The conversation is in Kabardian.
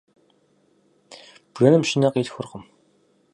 Бжэным щынэ къилъхуркъым.